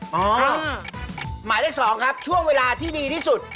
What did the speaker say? หมายเลข๒ครับช่วงเวลาที่ดีที่สุด